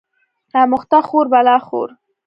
اموخته خور بلا خور